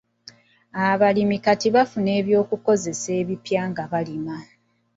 Abalimi kati bafuna eby'okukozesa ebipya nga balima.